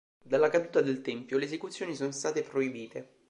Dalla caduta del Tempio le esecuzioni sono state proibite.